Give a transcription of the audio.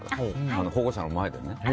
保護者の前でもね。